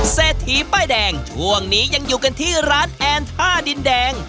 เศรษฐีป้ายแดงช่วงนี้ยังอยู่กันที่ร้านแอนท่าดินแดง